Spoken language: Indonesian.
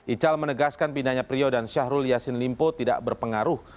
ical menegaskan pindahnya priyo dan syahrul yassin limpo tidak berpengaruh